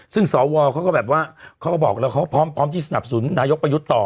ซึ่งสวเขาก็แบบว่าเขาก็บอกแล้วเขาพร้อมที่สนับสนุนนายกประยุทธ์ต่อ